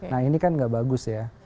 nah ini kan gak bagus ya